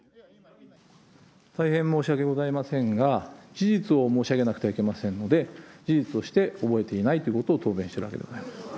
大変申し訳ございませんが、事実を申し上げなくてはいけませんので、事実として覚えていないということを答弁しているということでございます。